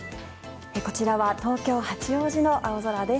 こちらは東京・八王子の青空です。